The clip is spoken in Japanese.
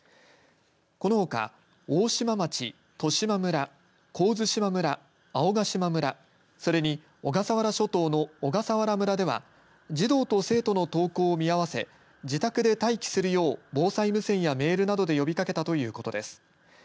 このほか、大島町、十島村神津島村、青ヶ島村小笠原諸島の小笠原村では児童と生徒の登校を見合わせ自宅で待機するよう防災無線やメールなどで呼びかけたということです。